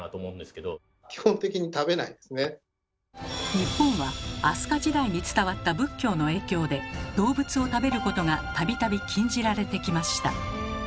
日本は飛鳥時代に伝わった仏教の影響で動物を食べることが度々禁じられてきました。